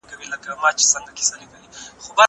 دا د کتابتون د کار مرسته ګټوره ده.